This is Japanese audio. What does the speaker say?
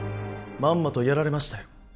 まんまとやられましたよ